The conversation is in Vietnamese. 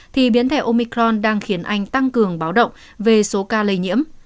thì biến thẻ omicron đang khiến anh tăng cường báo động về số ca lây nhiễm